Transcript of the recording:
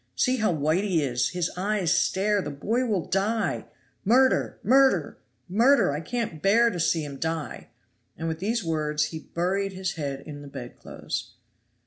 See how White he is! His eyes stare! The boy will die! Murder! murder! murder! I can't bear to see him die." And with these words he buried his head in the bedclothes.